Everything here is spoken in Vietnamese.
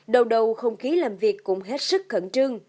đầu đầu không khí làm việc cũng hết sức khẩn trương